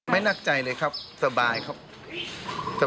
นักใจเลยครับสบายครับ